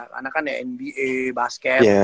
karena kan ya nba basket